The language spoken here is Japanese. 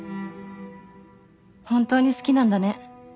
本当に好きなんだね。